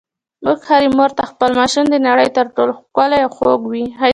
هرې مور ته خپل ماشوم د نړۍ تر ټولو خوږ او ښایسته وي.